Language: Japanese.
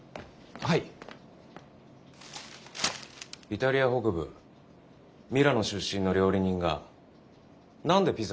イタリア北部ミラノ出身の料理人が何でピザなんだ？